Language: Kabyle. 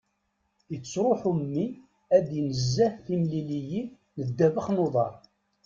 Ittruḥu mmi ad inezzeh timliliyin n ddabex n uḍar.